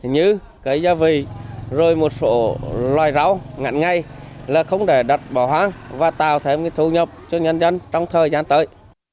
như cây gia vị rồi một số loài ráo ngắn ngay là không để đặt bỏ hoang và tạo thêm cái thu nhập cho nhân dân trong thời gian tới